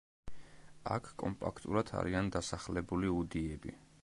აქ კომპაქტურად არიან დასახლებული უდიები.